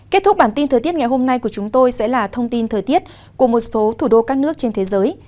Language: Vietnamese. kết thúc bản tin thời tiết ngày hôm nay của chúng tôi sẽ là thông tin thời tiết của một số thủ đô các nước trên thế giới